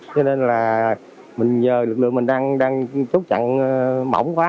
cho nên là mình nhờ lực lượng mình đang chốt chặn mỏng quá